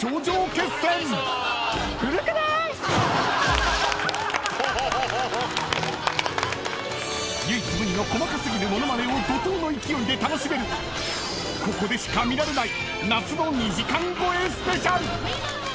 古くなーい⁉［唯一無二の細かすぎるモノマネを怒濤の勢いで楽しめるここでしか見られない］